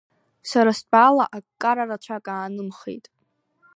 Сара стәала, аккара рацәак аанымхеит.